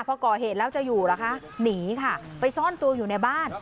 พอก่อเหตุแล้วจะอยู่เหรอคะหนีค่ะไปซ่อนตัวอยู่ในบ้าน